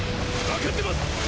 わかってます！